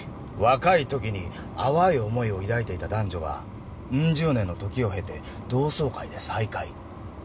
若い時に淡い思いを抱いていた男女がうん十年の時を経て同窓会で再会。